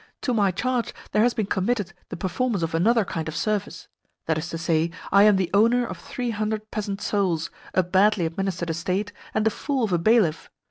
To my charge there has been committed the performance of another kind of service. That is to say, I am the owner of three hundred peasant souls, a badly administered estate, and a fool of a bailiff.